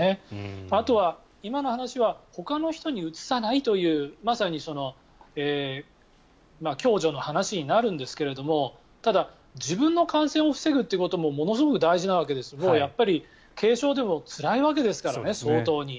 あとは、今の話はほかの人にうつさないというまさに共助の話になるんですけどただ、自分の感染を防ぐということもものすごく大事なわけでやっぱり軽症でもつらいわけですからね、相当に。